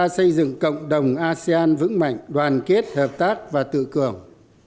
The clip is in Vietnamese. xây dựng cộng đồng asean vững mạnh đoàn kết hợp tác và tự cường